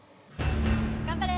頑張れ！